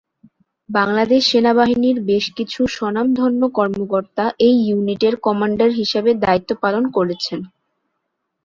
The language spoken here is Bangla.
বাংলাদেশ সেনাবাহিনীর বেশকিছু স্বনামধন্য কর্মকর্তা এই ইউনিটের কমান্ডার হিসেবে দ্বায়িত্ব পালন করেছেন।